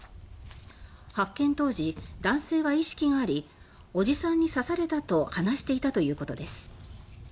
発見当時、男性は意識があり「おじさんに刺された」と話していたということです。